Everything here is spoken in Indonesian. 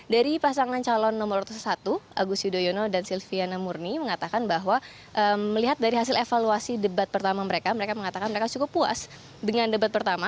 dari pasangan calon nomor satu agus yudhoyono dan silviana murni mengatakan bahwa melihat dari hasil evaluasi debat pertama mereka mereka mengatakan mereka cukup puas dengan debat pertama